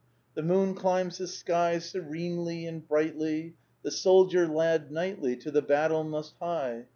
The moon climbs the sky Serenely and brightly. The soldier lad knightly To the battle must hie.